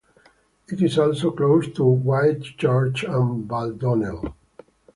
It is also close to Whitechurch and Baldonnel.